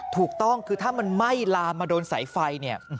ถูกต้องคือถ้ามันไหม้ลามมาโดนสายไฟเนี่ย